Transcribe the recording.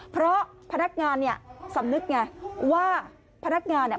เพราะพนักงานเนี่ยสำนึกไงว่าพนักงานเนี่ย